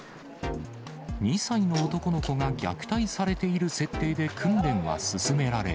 ２歳の男の子が虐待されている設定で訓練は進められ。